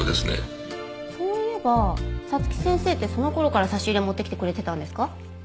そういえば早月先生ってその頃から差し入れ持ってきてくれてたんですか？